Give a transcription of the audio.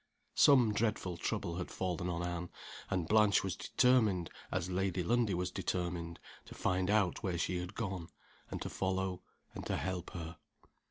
Some dreadful trouble had fallen on Anne and Blanche was determined (as Lady Lundie was determined) to find out where she had gone, and to follow, and help her.